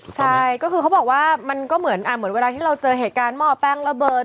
ใช่ก็คือเขาบอกว่ามันก็เหมือนเวลาที่เราเจอเหตุการณ์หม้อแป้งระเบิด